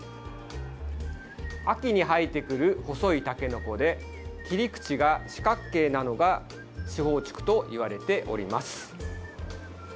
秋に生えてくる細いたけのこで切り口が四角形なのが四方竹といわれております。